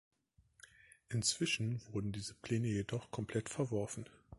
Inzwischen wurden diese Pläne jedoch komplett verworfen.